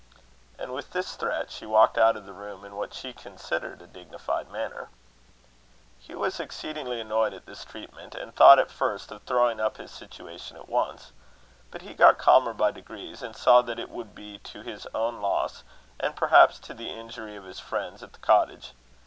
And, with this threat, she walked out of the room in what she considered a dignified manner. Hugh was exceedingly annoyed at this treatment, and thought, at first, of throwing up his situation at once; but he got calmer by degrees, and saw that it would be to his own loss, and perhaps to the injury of his friends at the cottage.